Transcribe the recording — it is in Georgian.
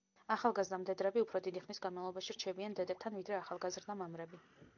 ახალგაზდა მდედრები უფრო დიდი ხნის განმავლობაში რჩებიან დედებთან ვიდრე ახალგაზდა მამრები.